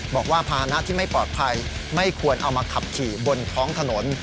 บอกว่าภาษณะที่ไม่ปลอดภัยไม่ควรเอามาขับขี่บนท้องถนน